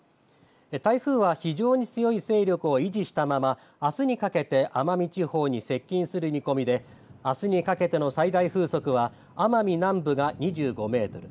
台風は非常に強い勢力を維持したままあすにかけて奄美地方に接近する見込みであすにかけての最大風速は奄美南部が２５メートル